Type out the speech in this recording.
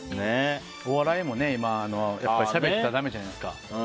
お笑いも、しゃべったらだめじゃないですか。